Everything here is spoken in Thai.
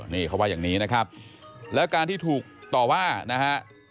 นี่เขาว่าอย่างนี้นะครับแล้วการที่ถูกต่อว่านะฮะ